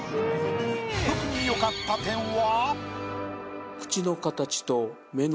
特に良かった点は？